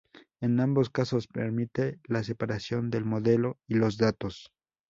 En ambos casos, permite la separación del modelo y los datos.